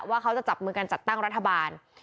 ว่าเขาจะจับมือกันจัดตั้งรัฐบาล